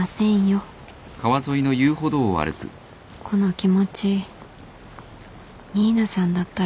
この気持ち新名さんだったら